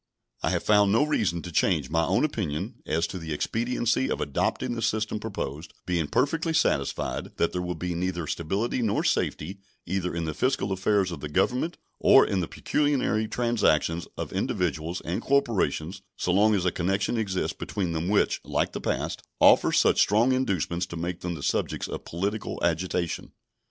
I have found no reason to change my own opinion as to the expediency of adopting the system proposed, being perfectly satisfied that there will be neither stability nor safety either in the fiscal affairs of the Government or in the pecuniary transactions of individuals and corporations so long as a connection exists between them which, like the past, offers such strong inducements to make them the subjects of political agitation.